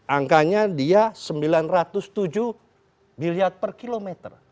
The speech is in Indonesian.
angkanya dia sembilan ratus tujuh biliar per kilometer